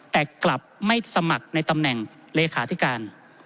แต่กลับไม่สมัครในตำแหน่งเลขาธิการ